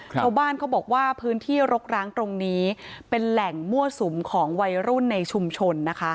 ชาวบ้านเขาบอกว่าพื้นที่รกร้างตรงนี้เป็นแหล่งมั่วสุมของวัยรุ่นในชุมชนนะคะ